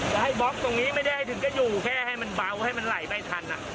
จะให้บล็อกตรงนี้ไม่ได้ให้ถึงก็อยู่แค่ให้มันเบาให้มันไหลไปทัน